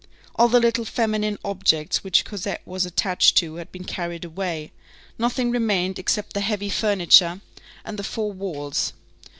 All the little feminine objects which Cosette was attached to had been carried away; nothing remained except the heavy furniture and the four walls.